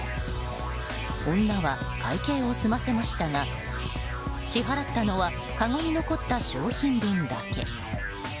女は会計を済ませましたが支払ったのはかごに残った商品分だけ。